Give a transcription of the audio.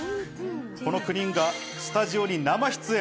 この９人がスタジオに生出演。